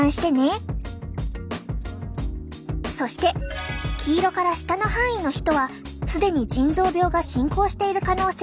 そして黄色から下の範囲の人は既に腎臓病が進行している可能性が高いよ。